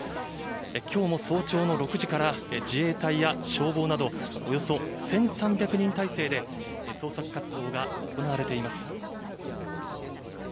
きょうも早朝の６時から、自衛隊や消防などおよそ１３００人態勢で、捜索活動が行われています。